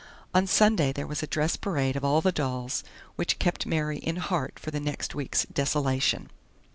On Sunday there was a dress parade of all the dolls, which kept Mary in heart for the next week's desolation.